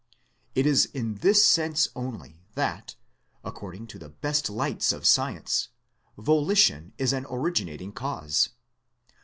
It is in this sense only that, according to the best lights of science, volition is an originating cause.